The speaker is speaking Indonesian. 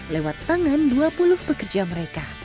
lewat tangan dua puluh pekerja mereka